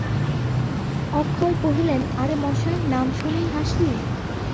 অক্ষয় কহিলেন, আরে মশায়, নাম শুনেই হাসি!